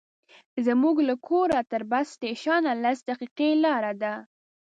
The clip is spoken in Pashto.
زموږ له کوره تر بس سټېشن لس دقیقې لاره ده.